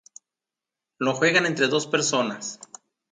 Lo juegan entre dos personas.